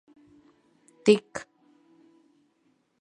Tik